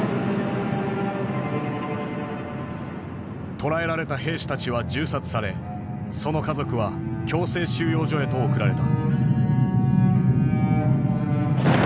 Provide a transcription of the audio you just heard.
捕らえられた兵士たちは銃殺されその家族は強制収容所へと送られた。